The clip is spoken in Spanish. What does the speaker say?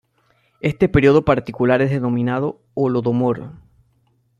Este período particular es denominado "Holodomor".